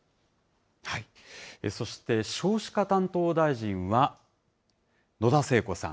そして少子化担当大臣は、野田聖子さん。